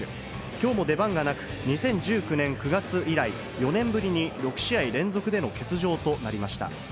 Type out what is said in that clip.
きょうも出番がなく、２０１９年９月以来、４年ぶりに６試合連続での欠場となりました。